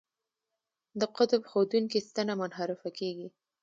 د قطب ښودونکې ستنه منحرفه کیږي.